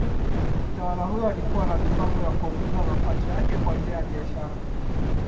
Mtawala huyo alikuwa na mipango ya kuongeza mapato yake kwa njia ya biashara.